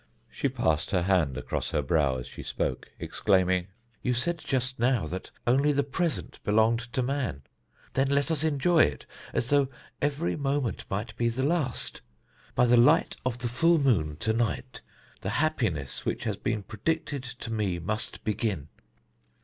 She passed her hand across her brow as she spoke, exclaiming: "You said just now that only the present belonged to man. Then let us enjoy it as though every moment might be the last. By the light of the full moon to night, the happiness which has been predicted to me must begin.